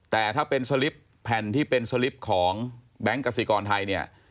แต่ถ้าเป็นสลิปแผ่นที่เป็นสลิปของแบงค์กสิกรไทยเนี่ย